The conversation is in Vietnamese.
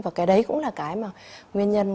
và cái đấy cũng là cái mà nguyên nhân